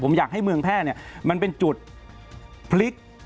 ผมอยากให้เมืองแพร่เนี่ยมันเป็นจุดพลิก